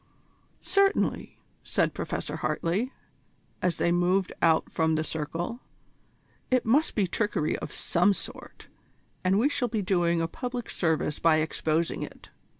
"Certainly," said Professor Hartley, as they moved out from the circle; "it must be trickery of some sort, and we shall be doing a public service by exposing it.